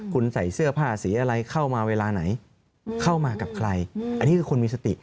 เข้ามาเวลาไหนเข้ามากับใครอันนี้คือคนมีสติ